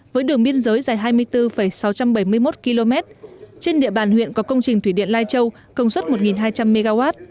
với đường biên giới dài hai mươi bốn sáu trăm bảy mươi một km trên địa bàn huyện có công trình thủy điện lai châu công suất một hai trăm linh mw